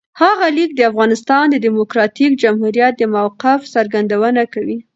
هغه لیک د افغانستان د دموکراتیک جمهوریت د موقف څرګندونه کوي.